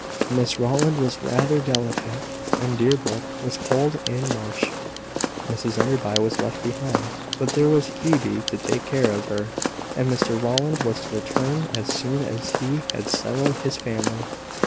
Miss Rowland was rather delicate, and Deerbrook was cold in March. Mrs Enderby was left behind; but there was Phoebe to take care of her; and Mr Rowland was to return as soon as he had settled his family.